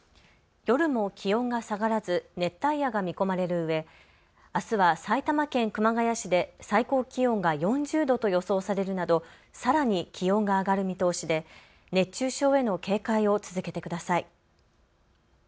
夜も気温が下がらず、熱帯夜が見込まれるうえ、あすは埼玉県熊谷市で最高気温が４０度と予想されるなどさらに気温が上がる見通しで熱中症への警戒を続けてください。